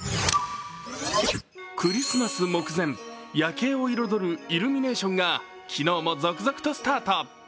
クリスマス目前、夜景を彩るイルミネーションが昨日も続々とスタート。